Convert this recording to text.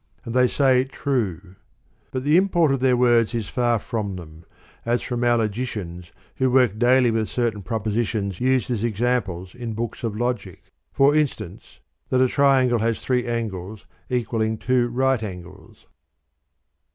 xn] DE MONARCHIA 41 and they say true ; but the import of their words is far from them, as from our logicians who work daily with certain propositions used as examples in books of logic ; for instance, that " a triangle has three angles equaling two right angles."